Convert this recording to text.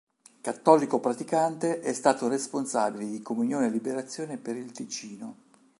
Cattolico praticante, è stato responsabile di Comunione e Liberazione per il Ticino.